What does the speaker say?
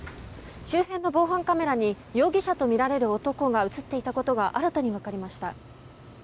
周辺の防犯カメラに、容疑者と見られる男が写っていたことが新たに分かりました。